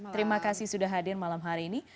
terima kasih sudah hadir malam hari ini